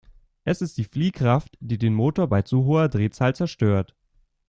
Es ist die Fliehkraft, die den Motor bei zu hoher Drehzahl zerstört.